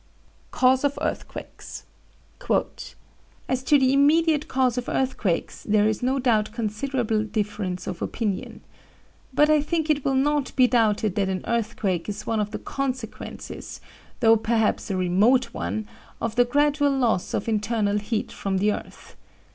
CAUSE OF EARTHQUAKES "As to the immediate cause of earthquakes there is no doubt considerable difference of opinion. But I think it will not be doubted that an earthquake is one of the consequences, though perhaps a remote one, of the gradual loss of internal heat from the earth.